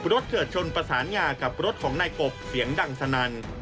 เกิดชนประสานงากับรถของนายกบเสียงดังสนั่น